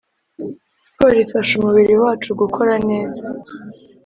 Siporo ifasha umubiri wacu gukora neza